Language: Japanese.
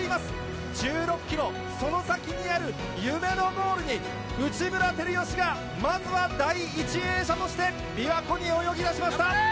１６ｋｍその先にある夢のゴールに内村光良がまずは第１泳者として琵琶湖に泳ぎだしました！